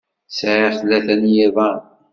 Sɛiɣ tlata n yiḍan.